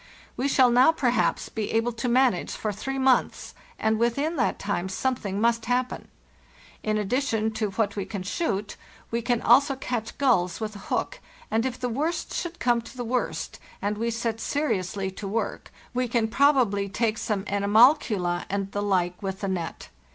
We shall now, perhaps, be able to manage for three months, and within that time something must hap pen. In addition to what we can shoot, we can also catch gulls with a hook, and if the worst should come to the worst, and we set seriously to work, we can probably take some animalcula and the like with the net.